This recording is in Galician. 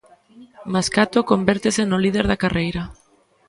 Mascato convértese no líder da carreira.